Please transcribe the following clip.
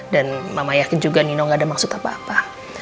dan mama yakin juga nino nggak ada maksud apa apa